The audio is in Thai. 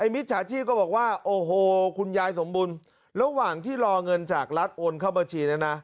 มิจฉาชีพก็บอกว่าโอ้โหคุณยายสมบูรณ์ระหว่างที่รอเงินจากรัฐโอนเข้าบัญชีนั้นนะ